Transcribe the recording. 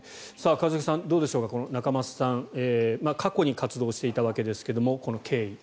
一茂さん、どうでしょうか仲正さん過去に活動していたわけですがこの経緯。